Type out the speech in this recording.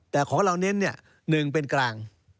แต่ของเราเน้นนี่หนึ่งเป็นกลาง